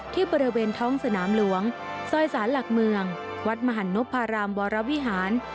ที่บริเวณท้องสนามหลวงซอยสารหลักเมืองวัดมหันนพพารามวรวิหาร